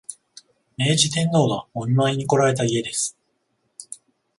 明治天皇がお見舞いにこられた家です